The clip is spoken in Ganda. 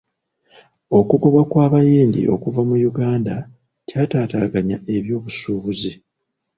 Okugobwa kw'abayindi okuva mu Uganda kyataataaganya eby'obusuubuzi.